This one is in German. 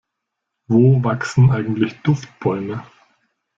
Wo wachsen eigentlich Duftbäume?